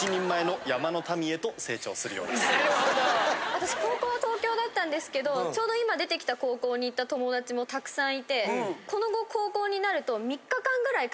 私高校は東京だったんですけどちょうど今出てきた高校に行った友達もたくさんいてこの高校になると。